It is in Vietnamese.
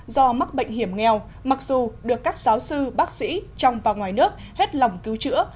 do mắc bệnh hiểm nghèo mặc dù được các giáo sư bác sĩ trong và ngoài nước hết lòng cứu chữa